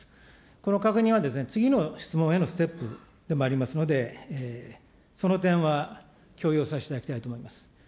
この確認は、次の質問へのステップでもありますので、その点は共有させていただきたいと思います。